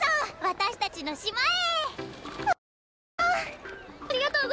私たちの島へ！